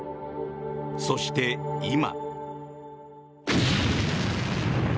そして今。